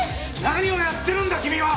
何をやってるんだ君は！